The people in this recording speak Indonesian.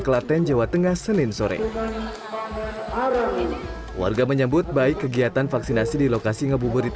kelaten jawa tengah senin sore warga menyebut baik kegiatan vaksinasi di lokasi ngebuburit